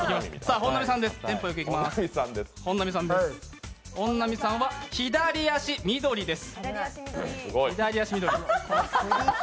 本並さんは左足緑です。